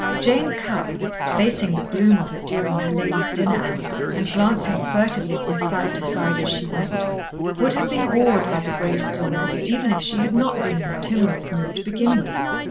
Jane Cupp, facing the gloom of it during her lady's dinner hour, and glancing furtively from side to side as she went, would have been awed by the grey stillness, even if she had not been in a timorous mood to begin with.